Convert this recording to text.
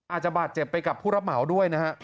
อาจจะบาดเจ็บไปกับผู้รับเหมาด้วยนะฮะ